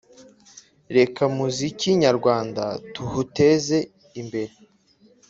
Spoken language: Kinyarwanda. Reka muziki nyarwanda tuhuteze imbere